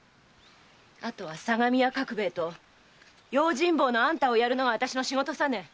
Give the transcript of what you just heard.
あとは相模屋角兵衛と用心棒のあんたを殺るのがあたしの仕事さね。